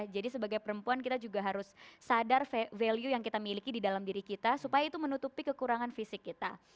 jadi sebagai perempuan kita juga harus sadar value yang kita miliki di dalam diri kita supaya itu menutupi kekurangan fisik kita